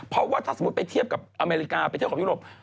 เพราะว่าถ้าสมมุติไปเทียบกับอเมริกาไปเที่ยวกับยุโรป